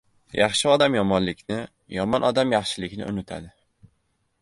• Yaxshi odam yomonlikni, yomon odam yaxshilikni unutadi.